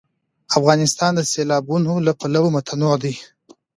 افغانستان د سیلابونه له پلوه متنوع دی.